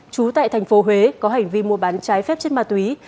chú tại tp huế có hành vi mua bán trái phép trên ma túy